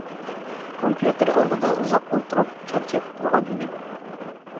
كومپيۇتېر ئالدىدا ئۇزاق ئولتۇرۇپ چارچاپ تۇرغان ئىدىم.